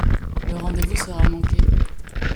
Le rendez-vous sera manqué.